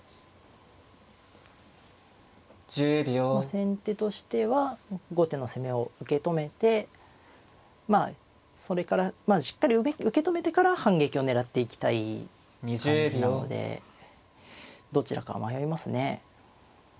先手としては後手の攻めを受け止めてまあそれからしっかり受け止めてから反撃を狙っていきたい感じなのでどちらかは迷いますね。